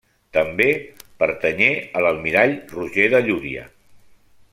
També pertanyé a l'almirall Roger de Llúria.